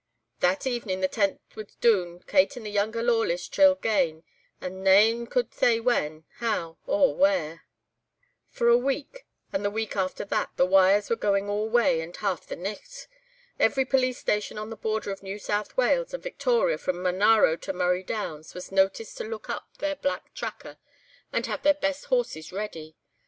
"That evening the tent was doon, Kate and the younger Lawless chiel gane—and nane could say when, how, or where. "For a week, and the week after that, the wires were going all day and half the nicht. Every police station on the border of New South Wales and Victoria from Monaro to Murray Downs was noticed to look up their black tracker, and have their best horses ready.